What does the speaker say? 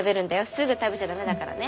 すぐ食べちゃ駄目だからね。